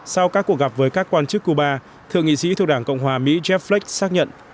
sau các cuộc gặp với các quan chức cuba thượng nghị sĩ thuộc đảng cộng hòa mỹ jaff lek xác nhận